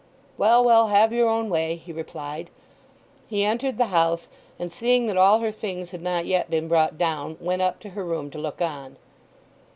"Well, well, have your own way," he replied. He entered the house, and, seeing that all her things had not yet been brought down, went up to her room to look on.